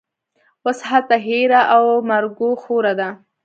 اوس هلته هېره او مرګوخوره ده